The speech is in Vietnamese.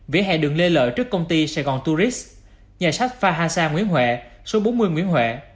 vỉa hạ đường lê lợi trước công ty sài gòn tourist nhà sách fahasa nguyễn huệ